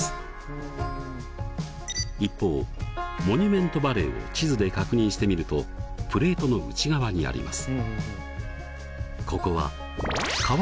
一方モニュメントバレーを地図で確認してみるとプレートの内側にあります。